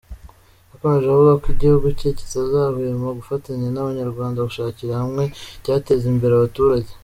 Yakomeje avuga ko igihugu cye kitazahwema gufatanya n’abanyarwanda gushakira hamwe icyateza imbere abaturage.